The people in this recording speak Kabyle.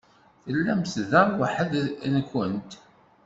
Tellamt da weḥd-nkent?